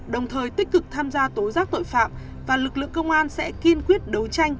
đồng thời tích cực tham gia tố giác tội phạm và lực lượng công an sẽ kiên quyết đấu tranh